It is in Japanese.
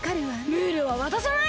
ムールはわたさない！